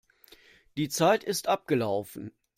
Die Zeit ist abgelaufen.